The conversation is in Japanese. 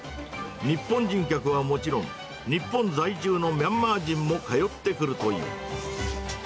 日本人客はもちろん、日本在住のミャンマー人も通ってくるという。